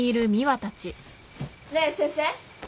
ねえ先生。